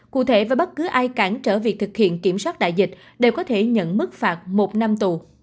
cụ thể với bất cứ ai cản trở việc thực hiện kiểm soát đại dịch đều có thể nhận mức phạt một năm tù